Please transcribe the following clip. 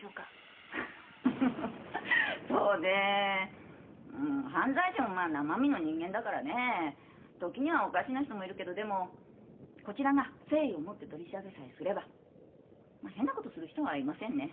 フッフフフそうねえ犯罪者もまあ生身の人間だからねえ時にはおかしな人もいるけどでもこちらが誠意を持って取り調べさえすればまあ変なことをする人はいませんね。